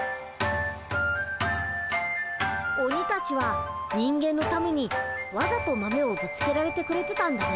鬼たちは人間のためにわざと豆をぶつけられてくれてたんだね。